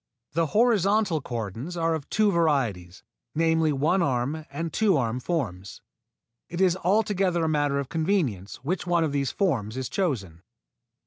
The horizontal cordons are of two varieties, namely one arm and two arm forms. It is altogether a matter of convenience which one of these forms is chosen.